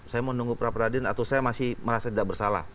saya mau nunggu prapradin atau saya masih merasa tidak bersalah